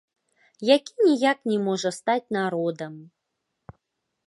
Які ніяк не можа стаць народам.